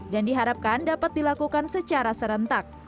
dan diharapkan dapat dilakukan secara serentak